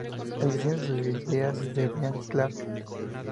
El diseño de las vidrieras es de Brian Clarke.